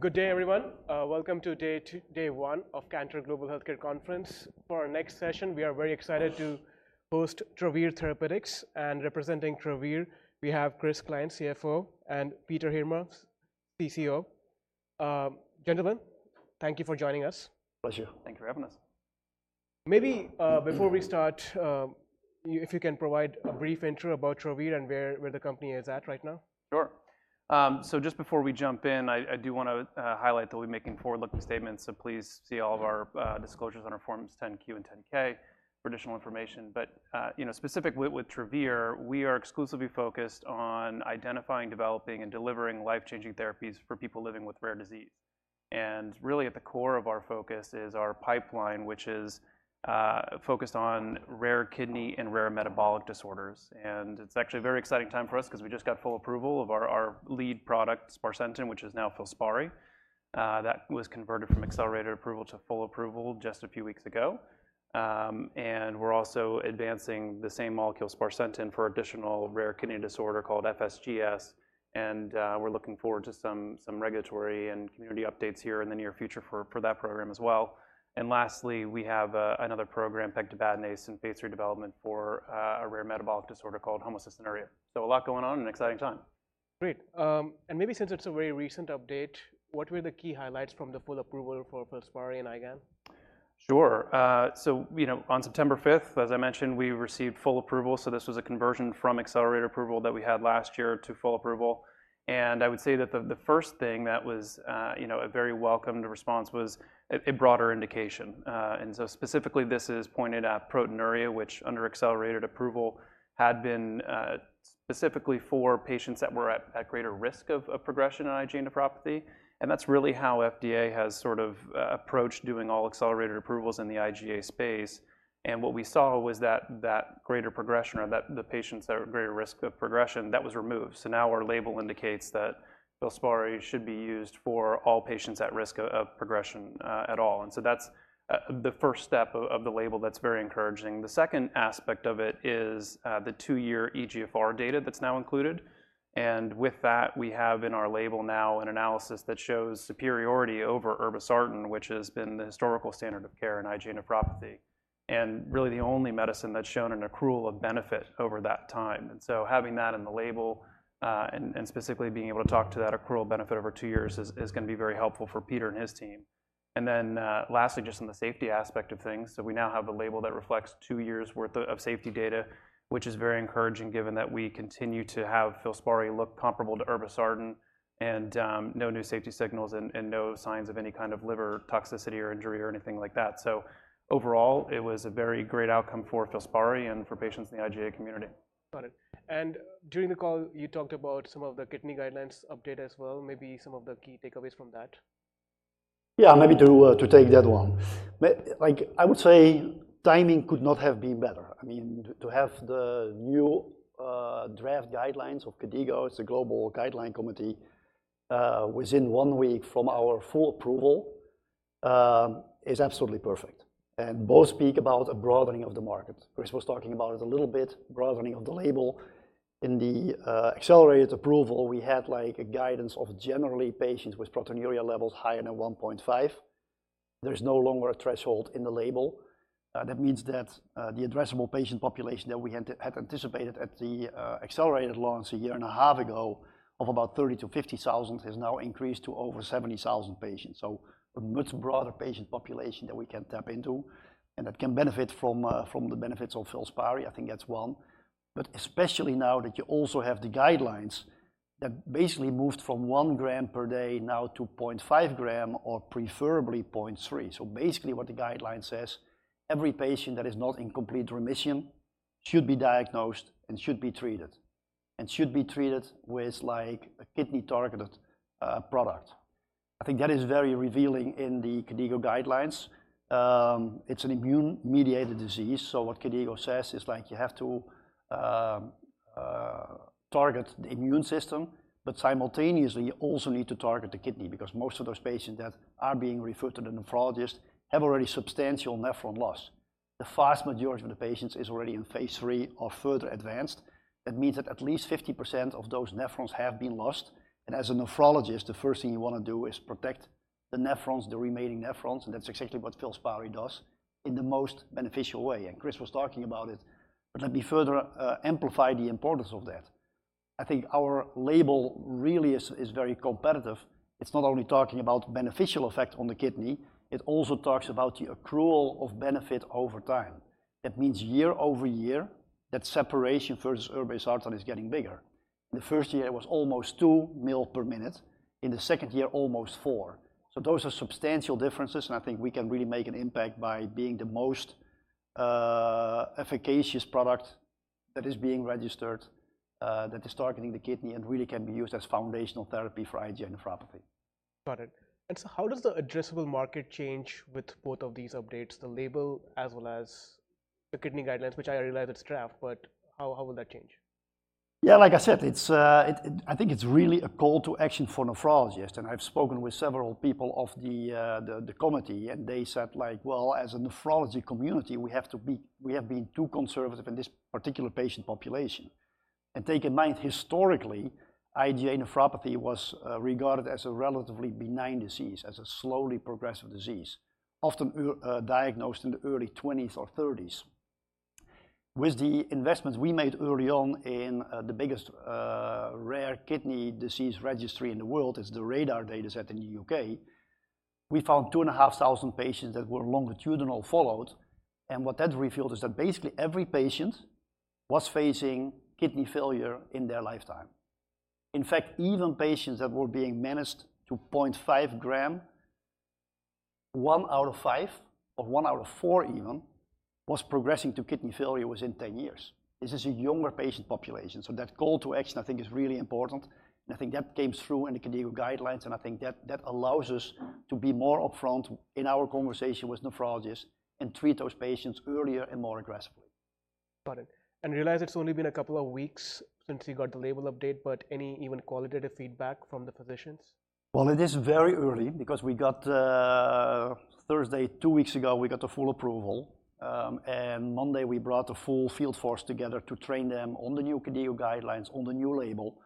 Good day, everyone. Welcome to day one of Cantor Fitzgerald Global Healthcare Conference. For our next session, we are very excited to host Travere Therapeutics, and representing Travere, we have Chris Klein, CFO, and Peter Heerma, CCO. Gentlemen, thank you for joining us. Pleasure. Thank you for having us. Maybe before we start, if you can provide a brief intro about Travere and where the company is at right now. Sure. So just before we jump in, I do wanna highlight that we'll be making forward-looking statements, so please see all of our disclosures on our Forms 10-Q and 10-K for additional information. But you know, specifically with Travere, we are exclusively focused on identifying, developing, and delivering life-changing therapies for people living with rare disease. And really, at the core of our focus is our pipeline, which is focused on rare kidney and rare metabolic disorders. And it's actually a very exciting time for us 'cause we just got full approval of our lead product, sparsentan, which is now Filspari. That was converted from accelerated approval to full approval just a few weeks ago. And we're also advancing the same molecule, sparsentan, for additional rare kidney disorder called FSGS, and we're looking forward to some regulatory and community updates here in the near future for that program as well. And lastly, we have another program, pegtibatinase, in phase III development for a rare metabolic disorder called homocystinuria. So a lot going on and exciting time. Great. And maybe since it's a very recent update, what were the key highlights from the full approval for Filspari and IgAN? Sure. So, you know, on September fifth, as I mentioned, we received full approval, so this was a conversion from accelerated approval that we had last year to full approval. And I would say that the first thing that was, you know, a very welcomed response was a broader indication. And so specifically, this is pointed at proteinuria, which under accelerated approval had been specifically for patients that were at greater risk of progression in IgA nephropathy, and that's really how FDA has sort of approached doing all accelerated approvals in the IgA space. And what we saw was that greater progression, or that the patients that were at greater risk of progression, that was removed. So now our label indicates that Filspari should be used for all patients at risk of progression, at all. That's the first step of the label that's very encouraging. The second aspect of it is the two-year eGFR data that's now included, and with that, we have in our label now an analysis that shows superiority over irbesartan, which has been the historical standard of care in IgA nephropathy, and really the only medicine that's shown an accrual of benefit over that time. Having that in the label, and specifically being able to talk to that accrual benefit over two years is gonna be very helpful for Peter and his team. Then, lastly, just on the safety aspect of things, we now have a label that reflects two years' worth of safety data, which is very encouraging, given that we continue to have Filspari look comparable to Irbesartan and no new safety signals and no signs of any kind of liver toxicity or injury or anything like that. Overall, it was a very great outcome for Filspari and for patients in the IgA community. Got it, and during the call, you talked about some of the kidney guidelines update as well, maybe some of the key takeaways from that. Yeah, maybe to, to take that one. Like, I would say timing could not have been better. I mean, to, to have the new, draft guidelines of KDIGO, it's a global guideline committee, within one week from our full approval, is absolutely perfect, and both speak about a broadening of the market. Chris was talking about it a little bit, broadening of the label. In the, accelerated approval, we had like a guidance of generally patients with proteinuria levels higher than 1.5. There's no longer a threshold in the label. That means that, the addressable patient population that we had anticipated at the, accelerated launch a year and a half ago of about 30-50 thousand has now increased to over 70 thousand patients. So a much broader patient population that we can tap into and that can benefit from, from the benefits of Filspari. I think that's one. But especially now that you also have the guidelines that basically moved from one gram per day now to point five gram, or preferably point three. So basically what the guideline says: every patient that is not in complete remission should be diagnosed and should be treated, and should be treated with, like, a kidney-targeted, product. I think that is very revealing in the KDIGO guidelines. It's an immune-mediated disease, so what KDIGO says is, like, you have to target the immune system, but simultaneously, you also need to target the kidney, because most of those patients that are being referred to the nephrologist have already substantial nephron loss. The vast majority of the patients is already in phase III or further advanced. That means that at least 50% of those nephrons have been lost, and as a nephrologist, the first thing you wanna do is protect the nephrons, the remaining nephrons, and that's exactly what Filspari does in the most beneficial way, and Chris was talking about it. But let me further amplify the importance of that. I think our label really is very competitive. It's not only talking about beneficial effect on the kidney; it also talks about the accrual of benefit over time. That means year-over-year, that separation versus irbesartan is getting bigger. The first year, it was almost two ml per minute; in the second year, almost four. So those are substantial differences, and I think we can really make an impact by being the most efficacious product that is being registered that is targeting the kidney and really can be used as foundational therapy for IgA nephropathy. Got it. And so how does the addressable market change with both of these updates, the label as well as the kidney guidelines, which I realize it's draft, but how will that change? Yeah, like I said, it's. I think it's really a call to action for nephrologists, and I've spoken with several people of the committee, and they said, like: "Well, as a nephrology community, we have to be, we have been too conservative in this particular patient population." And bear in mind, historically, IgA nephropathy was regarded as a relatively benign disease, as a slowly progressive disease, often early diagnosed in the early twenties or thirties. With the investments we made early on in the biggest rare kidney disease registry in the world, is the RaDaR dataset in the UK. We found two and a half thousand patients that were longitudinally followed, and what that revealed is that basically every patient was facing kidney failure in their lifetime. In fact, even patients that were being managed to 0.5 gram, one out of five or one out of four even, was progressing to kidney failure within 10 years. This is a younger patient population, so that call to action I think, is really important, and I think that came through in the KDOQI guidelines, and I think that, that allows us to be more upfront in our conversation with nephrologists and treat those patients earlier and more aggressively. Got it. And I realize it's only been a couple of weeks since you got the label update, but any even qualitative feedback from the physicians? It is very early because we got Thursday, two weeks ago, we got the full approval. Monday we brought the full field force together to train them on the new KDOQI guidelines, on the new label.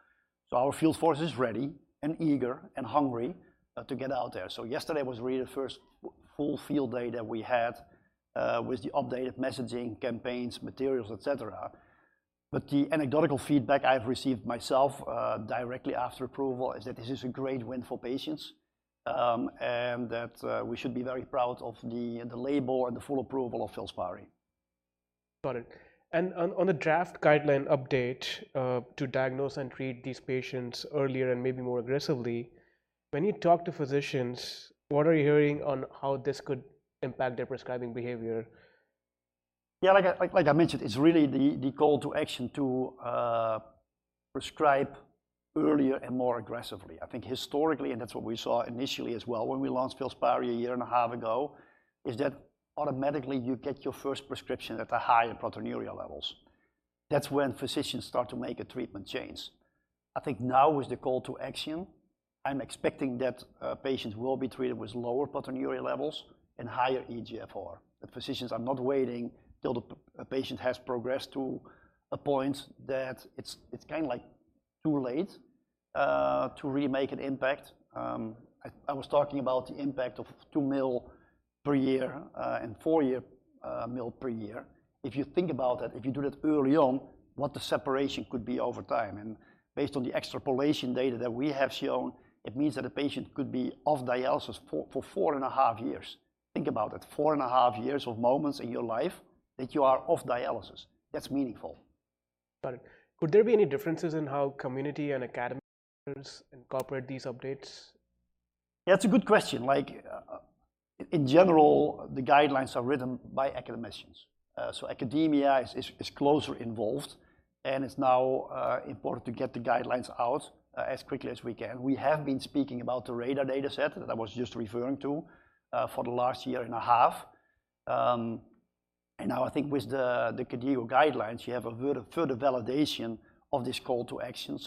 Our field force is ready and eager and hungry to get out there. Yesterday was really the first full field day that we had with the updated messaging, campaigns, materials, et cetera. The anecdotal feedback I've received myself directly after approval is that this is a great win for patients and that we should be very proud of the label and the full approval of Filspari. Got it. And on the draft guideline update to diagnose and treat these patients earlier and maybe more aggressively, when you talk to physicians, what are you hearing on how this could impact their prescribing behavior? Yeah, like I mentioned, it's really the call to action to prescribe earlier and more aggressively. I think historically, and that's what we saw initially as well when we launched Filspari a year and a half ago, is that automatically you get your first prescription at higher proteinuria levels. That's when physicians start to make a treatment change. I think now is the call to action. I'm expecting that patients will be treated with lower proteinuria levels and higher eGFR. The physicians are not waiting till a patient has progressed to a point that it's kind of like too late to really make an impact. I was talking about the impact of two mL per year and four mL per year. If you think about that, if you do that early on, what the separation could be over time, and based on the extrapolation data that we have shown, it means that a patient could be off dialysis for four and a half years. Think about it, four and a half years of moments in your life that you are off dialysis. That's meaningful. Got it. Could there be any differences in how community and academy incorporate these updates? Yeah, it's a good question. Like, in general, the guidelines are written by academicians, so academia is closer involved, and it's now important to get the guidelines out as quickly as we can. We have been speaking about the RaDaR dataset that I was just referring to for the last year and a half, and now I think with the KDOQI guidelines, you have a further validation of this call to action.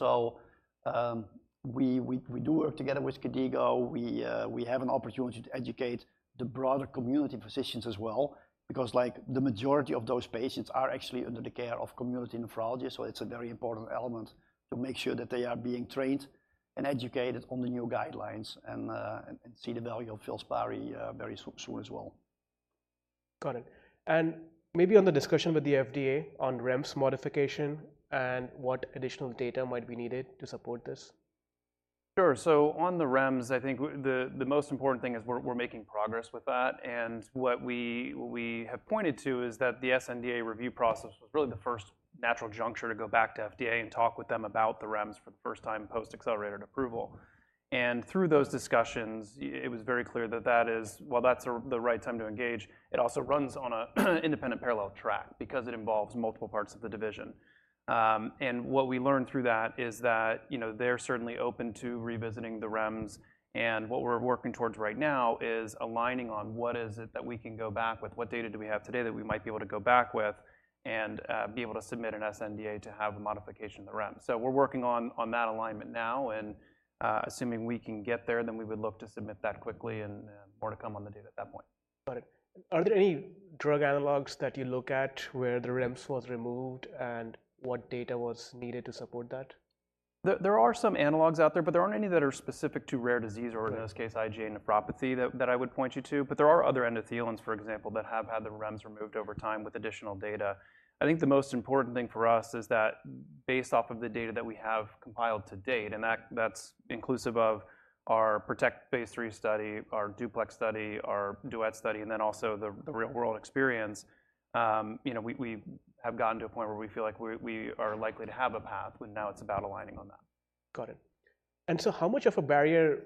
We do work together with KDOQI. We have an opportunity to educate the broader community physicians as well, because, like, the majority of those patients are actually under the care of community nephrology. So it's a very important element to make sure that they are being trained and educated on the new guidelines and see the value of Filspari very soon as well. Got it. And maybe on the discussion with the FDA on REMS modification and what additional data might be needed to support this? Sure. So on the REMS, I think the most important thing is we're making progress with that. And what we have pointed to is that the NDA review process was really the first natural juncture to go back to FDA and talk with them about the REMS for the first time post-accelerated approval. And through those discussions, it was very clear that that is... well, that's the right time to engage. It also runs on an independent parallel track because it involves multiple parts of the division. And what we learned through that is that, you know, they're certainly open to revisiting the REMS, and what we're working towards right now is aligning on what is it that we can go back with, what data do we have today that we might be able to go back with and be able to submit an sNDA to have a modification of the REMS. So we're working on that alignment now, and assuming we can get there, then we would look to submit that quickly and more to come on the data at that point. Got it. Are there any drug analogs that you look at where the REMS was removed, and what data was needed to support that? There are some analogues out there, but there aren't any that are specific to rare disease or- Okay... in this case, IgA nephropathy, that I would point you to. But there are other endothelin, for example, that have had the REMS removed over time with additional data. I think the most important thing for us is that based off of the data that we have compiled to date, and that's inclusive of our PROTECT phase 3 study, our DUPLEX study, our DUET study, and then also the real world experience, you know, we have gotten to a point where we feel like we are likely to have a path, but now it's about aligning on that. Got it. And so how much of a barrier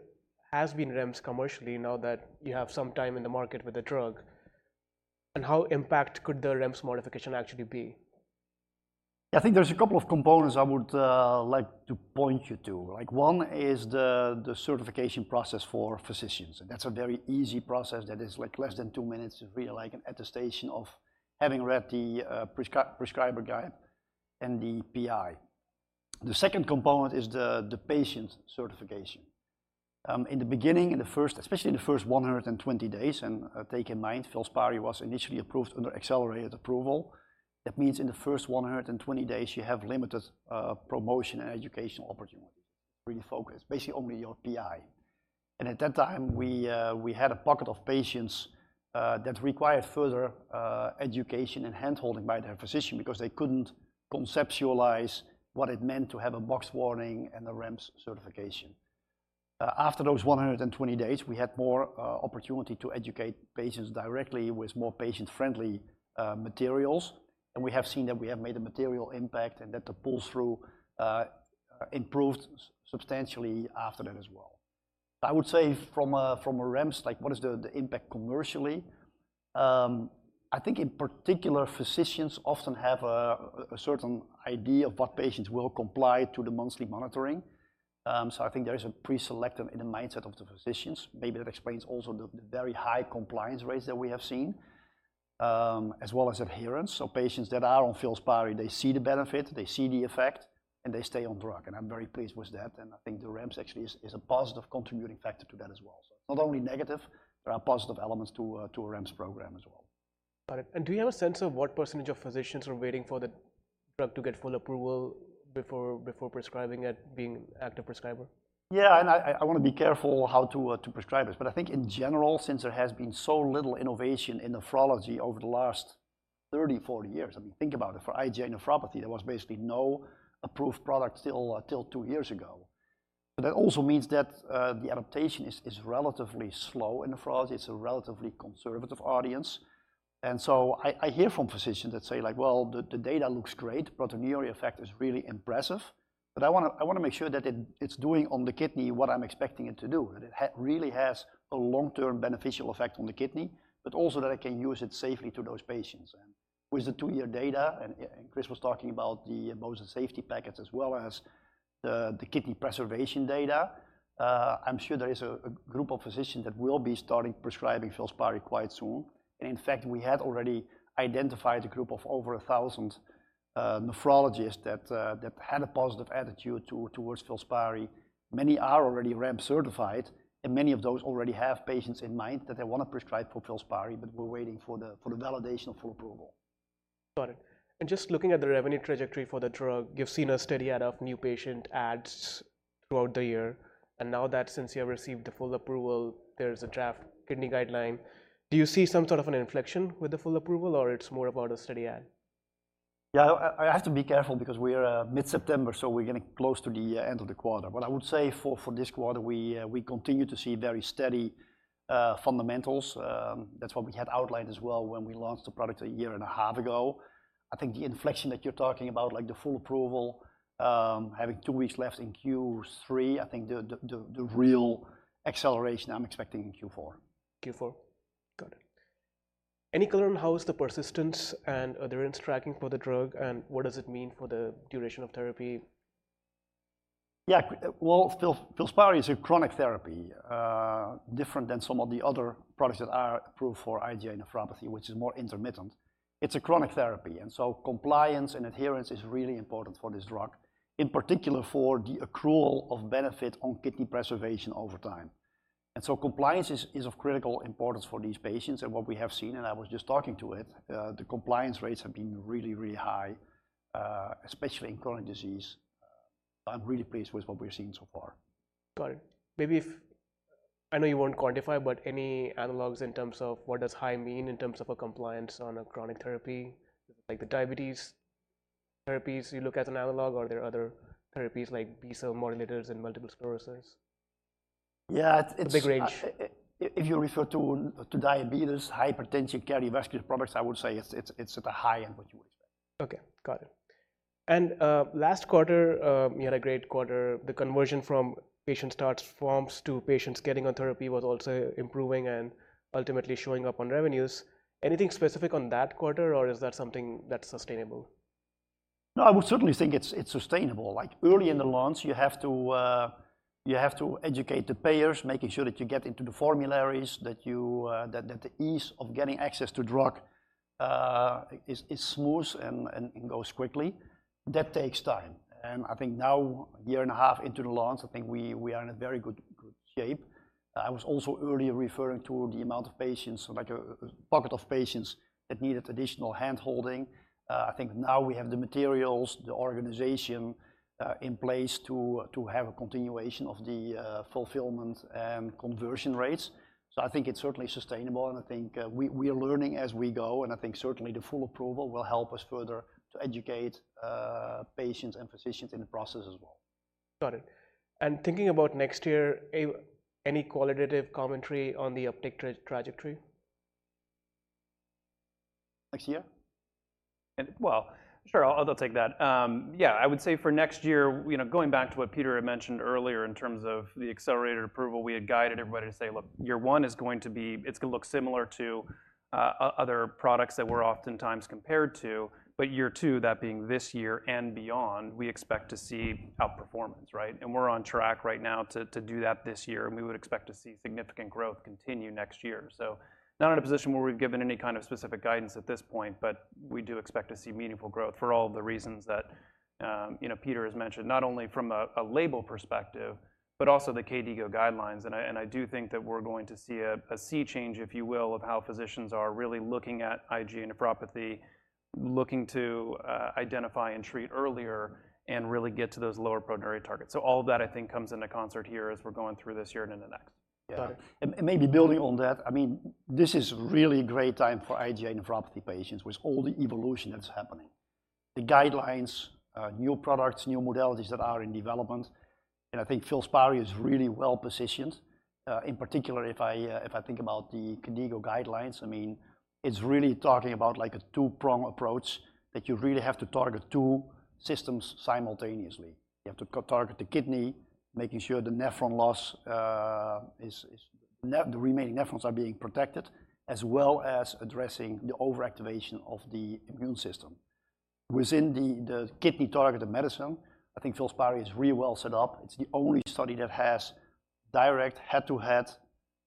has been REMS commercially, now that you have some time in the market with the drug? And how impactful could the REMS modification actually be? I think there's a couple of components I would like to point you to. Like, one is the certification process for physicians, and that's a very easy process that is like less than two minutes. It's really like an attestation of having read the prescriber guide and the PI. The second component is the patient certification in the beginning, in the first, especially in the first one hundred and twenty days, and take in mind, Filspari was initially approved under accelerated approval. That means in the first one hundred and twenty days, you have limited promotion and educational opportunities, really focused basically only on PI. At that time, we had a pocket of patients that required further education and hand-holding by their physician because they couldn't conceptualize what it meant to have a box warning and a REMS certification. After those one hundred and twenty days, we had more opportunity to educate patients directly with more patient-friendly materials. We have seen that we have made a material impact, and that the pull-through improved substantially after that as well. I would say from a REMS, like, what is the impact commercially? I think in particular, physicians often have a certain idea of what patients will comply to the monthly monitoring. So I think there is a pre-select them in the mindset of the physicians. Maybe that explains also the very high compliance rates that we have seen, as well as adherence, so patients that are on Filspari, they see the benefit, they see the effect, and they stay on drug, and I'm very pleased with that, and I think the REMS actually is a positive contributing factor to that as well, so not only negative, there are positive elements to a REMS program as well. Got it. And do you have a sense of what percentage of physicians are waiting for the drug to get full approval before prescribing it, being an active prescriber? Yeah, and I wanna be careful how to prescribe it. But I think in general, since there has been so little innovation in nephrology over the last thirty, forty years. I mean, think about it. For IgA nephropathy, there was basically no approved product till two years ago. But that also means that the adaptation is relatively slow in nephrology. It's a relatively conservative audience. And so I hear from physicians that say, like: "Well, the data looks great. Proteinuria effect is really impressive, but I wanna make sure that it's doing on the kidney what I'm expecting it to do, that it really has a long-term beneficial effect on the kidney, but also that I can use it safely to those patients." With the two-year data, and Chris was talking about the open-label safety data as well as the kidney preservation data, I'm sure there is a group of physicians that will be starting prescribing Filspari quite soon. And in fact, we had already identified a group of over a thousand nephrologists that had a positive attitude towards Filspari. Many are already REMS certified, and many of those already have patients in mind that they wanna prescribe for Filspari, but were waiting for the validation of full approval. Got it. And just looking at the revenue trajectory for the drug, you've seen a steady add of new patient adds throughout the year. And now that since you have received the full approval, there is a draft kidney guideline, do you see some sort of an inflection with the full approval, or it's more about a steady add? Yeah, I have to be careful because we are mid-September, so we're getting close to the end of the quarter. What I would say for this quarter, we continue to see very steady fundamentals. That's what we had outlined as well when we launched the product a year and a half ago. I think the inflection that you're talking about, like the full approval, having two weeks left in Q3, I think the real acceleration I'm expecting in Q4. Q4? Got it. Any color on how is the persistence and adherence tracking for the drug, and what does it mean for the duration of therapy? Yeah. Well, Filspari is a chronic therapy, different than some of the other products that are approved for IgA nephropathy, which is more intermittent. It's a chronic therapy, and so compliance and adherence is really important for this drug, in particular, for the accrual of benefit on kidney preservation over time. And so compliance is of critical importance for these patients. And what we have seen, and I was just talking to it, the compliance rates have been really, really high, especially in current disease. I'm really pleased with what we're seeing so far. Got it. Maybe if I know you won't quantify, but any analogues in terms of what does high mean in terms of a compliance on a chronic therapy? Like the diabetes therapies, you look at an analogue, or are there other therapies like B-cell modulators in multiple sclerosis? Yeah, it's, it's- A big range. If you refer to diabetes, hypertension, cardiovascular products, I would say it's at the high end what you would expect. Okay, got it, and last quarter, you had a great quarter. The conversion from patient starts forms to patients getting on therapy was also improving and ultimately showing up on revenues. Anything specific on that quarter, or is that something that's sustainable? No, I would certainly think it's sustainable. Like early in the launch, you have to educate the payers, making sure that you get into the formularies, that the ease of getting access to drug is smooth and goes quickly. That takes time, and I think now, a year and a half into the launch, I think we are in a very good shape. I was also earlier referring to the amount of patients, so like a pocket of patients that needed additional hand-holding. I think now we have the materials, the organization in place to have a continuation of the fulfillment and conversion rates. So I think it's certainly sustainable, and I think we are learning as we go, and I think certainly the full approval will help us further to educate patients and physicians in the process as well. Got it. And thinking about next year, any qualitative commentary on the uptick trajectory? Next year? Sure, I'll take that. Yeah, I would say for next year, you know, going back to what Peter had mentioned earlier in terms of the accelerated approval, we had guided everybody to say, "Look, year one is going to be it's gonna look similar to other products that we're oftentimes compared to, but year two, that being this year and beyond, we expect to see outperformance, right?" We're on track right now to do that this year, and we would expect to see significant growth continue next year. We're not in a position where we've given any kind of specific guidance at this point, but we do expect to see meaningful growth for all the reasons that, you know, Peter has mentioned, not only from a label perspective, but also the KDOQI guidelines. I do think that we're going to see a sea change, if you will, of how physicians are really looking to identify and treat earlier and really get to those lower proteinuria targets. So all of that, I think, comes into concert here as we're going through this year and into next. Yeah. Maybe building on that, I mean, this is really a great time for IgA nephropathy patients, with all the evolution that's happening. The guidelines, new products, new modalities that are in development, and I think Filspari is really well-positioned. In particular, if I think about the KDIGO guidelines, I mean, it's really talking about, like, a two-prong approach, that you really have to target two systems simultaneously. You have to target the kidney, making sure the nephron loss, the remaining nephrons are being protected, as well as addressing the overactivation of the immune system. Within the kidney-targeted medicine, I think Filspari is really well set up. It's the only study that has direct head-to-head,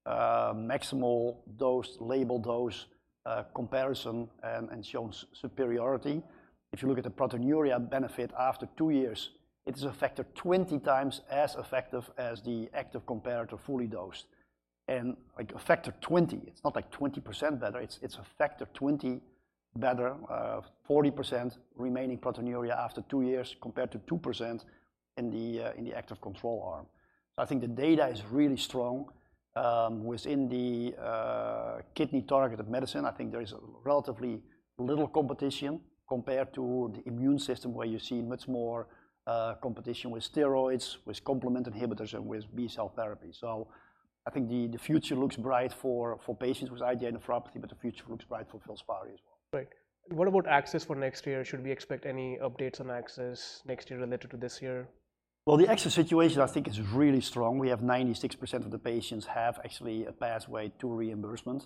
maximal dose, label dose, comparison, and shows superiority. If you look at the proteinuria benefit after two years, it is a factor twenty times as effective as the active comparator, fully dosed, and like, a factor twenty, it's not like 20% better, it's, it's a factor twenty better, 40% remaining proteinuria after two years, compared to 2% in the active control arm. I think the data is really strong. Within the kidney-targeted medicine, I think there is relatively little competition compared to the immune system, where you see much more competition with steroids, with complement inhibitors, and with B-cell therapy, so I think the future looks bright for patients with IgA nephropathy, but the future looks bright for Filspari as well. Right. What about access for next year? Should we expect any updates on access next year related to this year? The access situation, I think, is really strong. We have 96% of the patients have actually a pathway to reimbursement.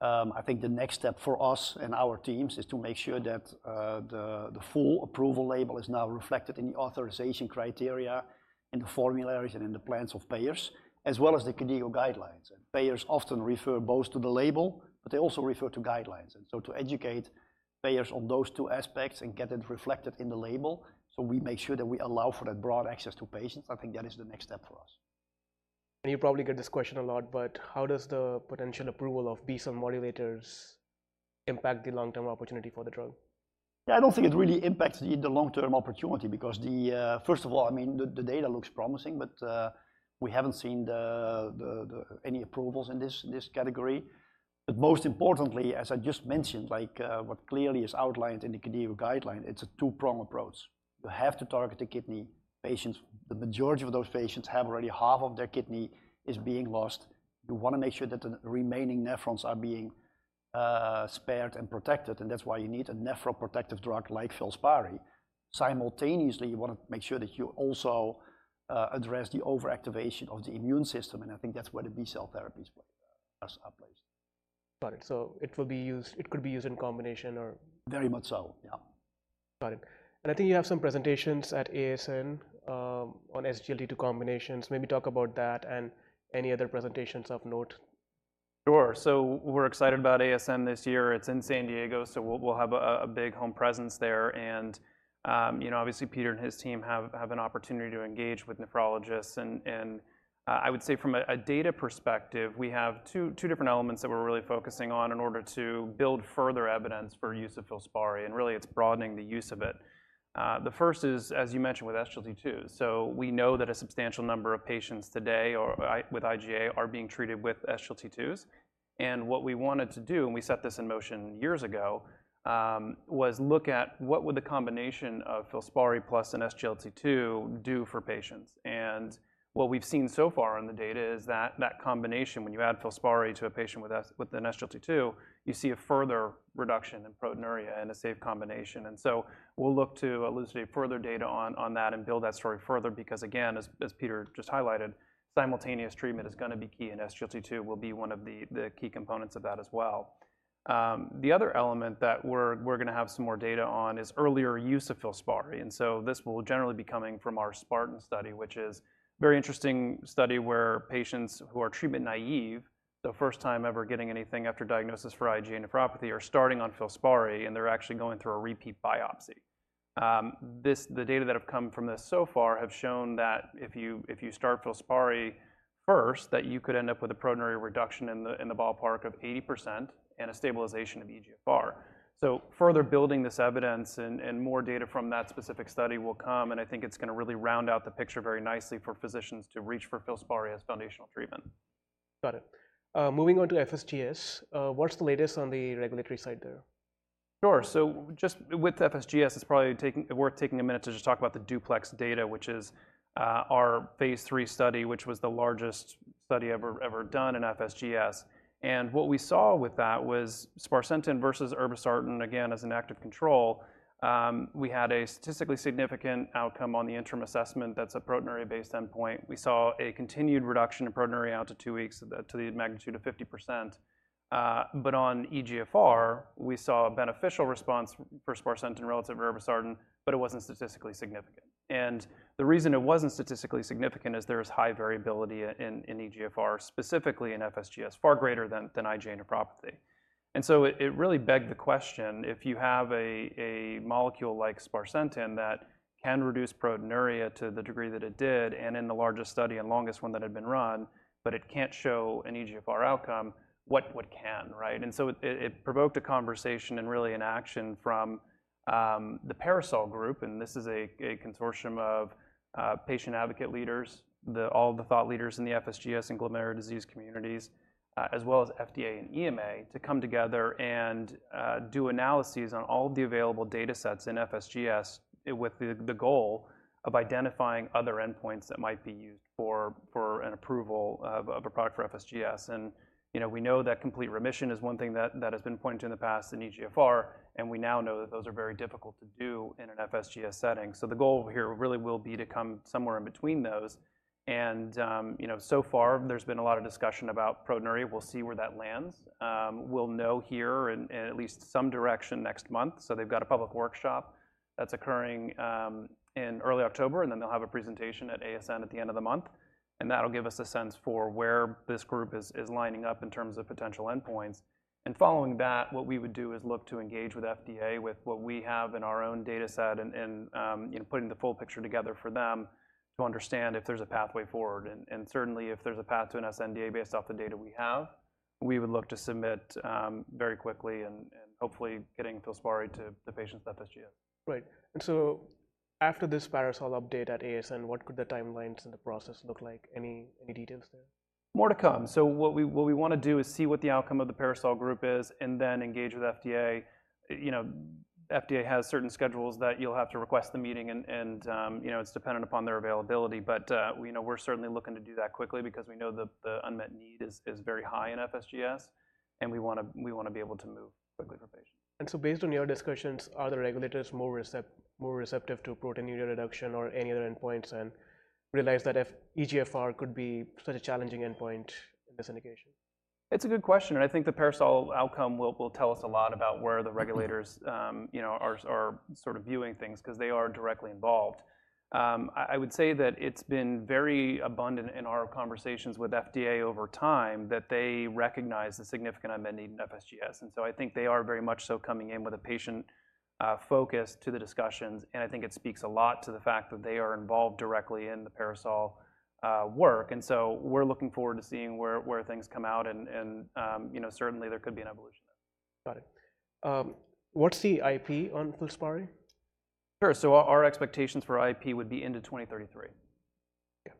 I think the next step for us and our teams is to make sure that the full approval label is now reflected in the authorization criteria, in the formularies, and in the plans of payers, as well as the KDIGO guidelines. And payers often refer both to the label, but they also refer to guidelines. And so to educate payers on those two aspects and get it reflected in the label, so we make sure that we allow for that broad access to patients, I think that is the next step for us. You probably get this question a lot, but how does the potential approval of B-cell modulators impact the long-term opportunity for the drug? Yeah, I don't think it really impacts the long-term opportunity because, first of all, I mean, the data looks promising, but we haven't seen any approvals in this category. But most importantly, as I just mentioned, like what clearly is outlined in the KDIGO guideline, it's a two-prong approach. You have to target the kidney patients. The majority of those patients have already half of their kidney is being lost. You wanna make sure that the remaining nephrons are being spared and protected, and that's why you need a nephroprotective drug like Filspari. Simultaneously, you wanna make sure that you also address the overactivation of the immune system, and I think that's where the B-cell therapies play as a place. Got it. So it could be used in combination or- Very much so, yeah. Got it. And I think you have some presentations at ASN on SGLT2 combinations. Maybe talk about that and any other presentations of note. Sure. So we're excited about ASN this year. It's in San Diego, so we'll have a big home presence there. And you know, obviously, Peter and his team have an opportunity to engage with nephrologists. And I would say from a data perspective, we have two different elements that we're really focusing on in order to build further evidence for use of Filspari, and really, it's broadening the use of it. The first is, as you mentioned, with SGLT2. So we know that a substantial number of patients today with IgA are being treated with SGLT2s. And what we wanted to do, and we set this in motion years ago, was look at what would the combination of Filspari plus an SGLT2 do for patients. And what we've seen so far in the data is that combination, when you add Filspari to a patient with an SGLT2, you see a further reduction in proteinuria and a safe combination. And so we'll look to elucidate further data on that and build that story further. Because, again, as Peter just highlighted, simultaneous treatment is gonna be key, and SGLT2 will be one of the key components of that as well. The other element that we're gonna have some more data on is earlier use of Filspari, and so this will generally be coming from our SPARTAN study, which is a very interesting study where patients who are treatment naive, the first time ever getting anything after diagnosis for IgA nephropathy, are starting on Filspari, and they're actually going through a repeat biopsy. This, the data that have come from this so far have shown that if you start Filspari first, that you could end up with a proteinuria reduction in the ballpark of 80% and a stabilization of eGFR. So further building this evidence and more data from that specific study will come, and I think it's gonna really round out the picture very nicely for physicians to reach for Filspari as foundational treatment. Got it. Moving on to FSGS, what's the latest on the regulatory side there? Sure. So just with FSGS, it's worth taking a minute to just talk about the DUPLEX data, which is our phase III study, which was the largest study ever done in FSGS. And what we saw with that was sparsentan versus irbesartan, again, as an active control. We had a statistically significant outcome on the interim assessment. That's a proteinuria-based endpoint. We saw a continued reduction in proteinuria out to two weeks to the magnitude of 50%. But on eGFR, we saw a beneficial response for sparsentan relative to irbesartan, but it wasn't statistically significant. And the reason it wasn't statistically significant is there is high variability in eGFR, specifically in FSGS, far greater than IgA nephropathy. And so it really begged the question, if you have a molecule like sparsentan that can reduce proteinuria to the degree that it did, and in the largest study and longest one that had been run, but it can't show an eGFR outcome, what can, right? And so it provoked a conversation and really an action from the PARASOL Group, and this is a consortium of patient advocate leaders, all the thought leaders in the FSGS and glomerular disease communities, as well as FDA and EMA, to come together and do analyses on all the available datasets in FSGS, with the goal of identifying other endpoints that might be used for an approval of a product for FSGS. You know, we know that complete remission is one thing that has been pointed to in the past in eGFR, and we now know that those are very difficult to do in an FSGS setting. So the goal here really will be to come somewhere in between those, and you know, so far, there's been a lot of discussion about proteinuria. We'll see where that lands. We'll know here in at least some direction next month. So they've got a public workshop that's occurring in early October, and then they'll have a presentation at ASN at the end of the month, and that'll give us a sense for where this group is lining up in terms of potential endpoints. Following that, what we would do is look to engage with FDA, with what we have in our own dataset and you know, putting the full picture together for them to understand if there's a pathway forward. Certainly, if there's a path to an sNDA based off the data we have, we would look to submit very quickly and hopefully getting Filspari to the patients with FSGS. Right. And so after this PARASOL update at ASN, what could the timelines and the process look like? Any details there? More to come. So what we wanna do is see what the outcome of the PARASOL group is, and then engage with FDA. You know, FDA has certain schedules that you'll have to request the meeting and, you know, it's dependent upon their availability. But, we know we're certainly looking to do that quickly because we know the unmet need is very high in FSGS, and we wanna be able to move quickly for patients. Based on your discussions, are the regulators more receptive to proteinuria reduction or any other endpoints, and realize that if eGFR could be such a challenging endpoint in this indication? It's a good question, and I think the PARASOL outcome will tell us a lot about where the regulators- Mm-hmm... you know, are sort of viewing things, 'cause they are directly involved. I would say that it's been very abundant in our conversations with FDA over time, that they recognize the significant unmet need in FSGS, and so I think they are very much so coming in with a patient focus to the discussions, and I think it speaks a lot to the fact that they are involved directly in the PARASOL work. And so we're looking forward to seeing where things come out and you know, certainly there could be an evolution there. Got it. What's the IP on Filspari? Sure. So our expectations for IP would be into 2033. Okay.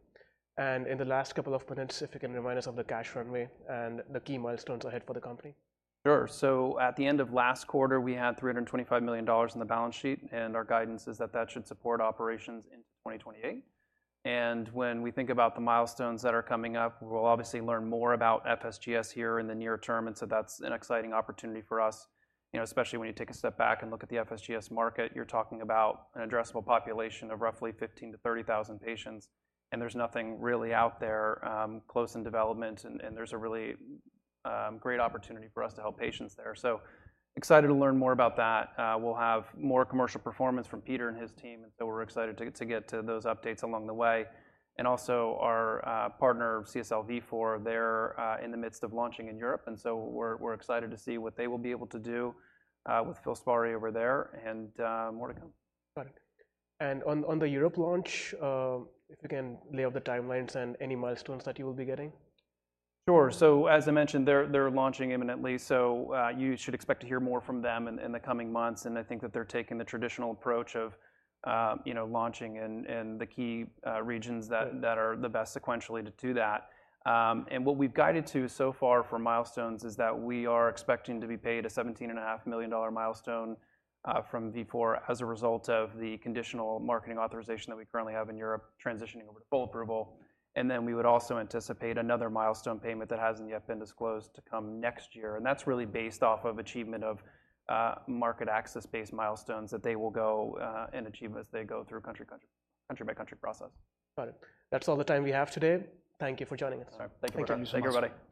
And in the last couple of minutes, if you can remind us of the cash runway and the key milestones ahead for the company? Sure. So at the end of last quarter, we had $325 million in the balance sheet, and our guidance is that that should support operations into 2028. When we think about the milestones that are coming up, we'll obviously learn more about FSGS here in the near term, and so that's an exciting opportunity for us. You know, especially when you take a step back and look at the FSGS market, you're talking about an addressable population of roughly 15-30 thousand patients, and there's nothing really out there close in development, and there's a really great opportunity for us to help patients there. So excited to learn more about that. We'll have more commercial performance from Peter and his team, and so we're excited to get to those updates along the way. Also, our partner, CSL Vifor, they're in the midst of launching in Europe, and so we're excited to see what they will be able to do with Filspari over there, and more to come. Got it. And on the Europe launch, if you can lay out the timelines and any milestones that you will be getting? Sure. So as I mentioned, they're launching imminently, so you should expect to hear more from them in the coming months. And I think that they're taking the traditional approach of, you know, launching in the key regions that- Mm... that are the best sequentially to do that. And what we've guided to so far for milestones is that we are expecting to be paid a $17.5 million milestone from CSL Vifor as a result of the conditional marketing authorization that we currently have in Europe, transitioning over to full approval. And then we would also anticipate another milestone payment that hasn't yet been disclosed to come next year, and that's really based off of achievement of market access-based milestones that they will go and achieve as they go through country by country process. Got it. That's all the time we have today. Thank you for joining us. All right. Thank you much. Thank you, everybody.